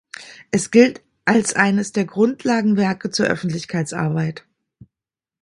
Es gilt als eines der Grundlagenwerke zur Öffentlichkeitsarbeit.